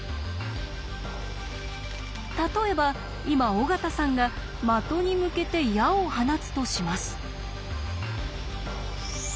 例えば今尾形さんが的に向けて矢を放つとします。